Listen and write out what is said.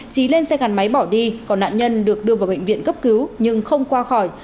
trí lên xe gắn máy bỏ đi còn nạn nhân được đưa vào bệnh viện cấp cứu nhưng không qua khỏi